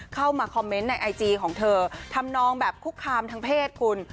เข้ามาคอมเมนต์ในไอจีของเธอทำนองแบบคุกคามทางเพศคุณ